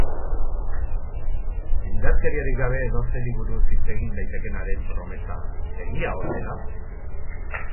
Indarkeriarik gabe edozeri buruz hitz egin daitekeenaren promesa egia ote da?